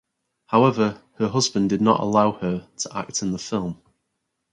However her husband did not allow her to act in the film.